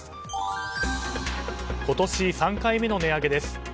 今年３回目の値上げです。